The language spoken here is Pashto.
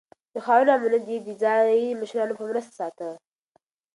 د ښارونو امنيت يې د ځايي مشرانو په مرسته ساته.